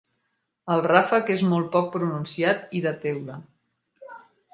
El ràfec és molt poc pronunciat i de teula.